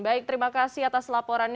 baik terima kasih atas laporannya